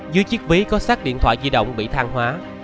dưới chiếc ví có sát điện thoại di động bị thang hóa